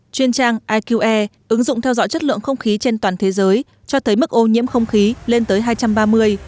chuyên trang iqe ứng dụng theo dõi chất lượng không khí trên toàn thế giới cho thấy mức ô nhiễm không khí lên tới hai trăm ba mươi